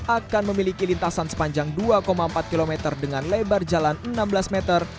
akan memiliki lintasan sepanjang dua empat km dengan lebar jalan enam belas meter